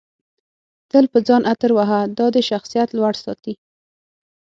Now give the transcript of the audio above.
تل په ځان عطر وهه دادی شخصیت لوړ ساتي